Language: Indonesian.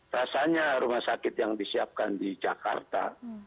rasanya rumah sakit yang disiapkan di jakarta